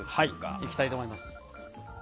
いきたいと思います。